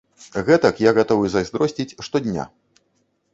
Гэтак я гатовы зайздросціць штодня.